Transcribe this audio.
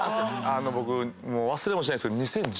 僕忘れもしないんですけど。